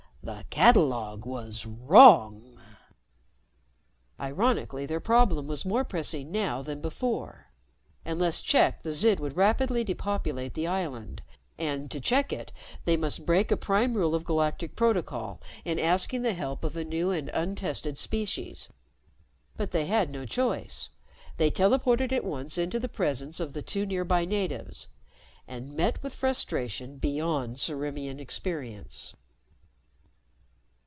"The catalogue was wrong." Ironically, their problem was more pressing now than before. Unless checked, the Zid would rapidly depopulate the island and, to check it, they must break a prime rule of Galactic protocol in asking the help of a new and untested species. But they had no choice. They teleported at once into the presence of the two nearby natives and met with frustration beyond Ciriimian experience.